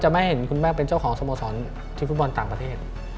จะไม่ให้เห็นคุณแมคจ้าของสโมสรทีมฟุตบอลต่างประเทศ